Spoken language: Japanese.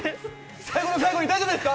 最後の最後に大丈夫ですか？